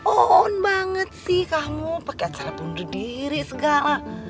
oon banget sih kamu pakai cara bunuh diri segala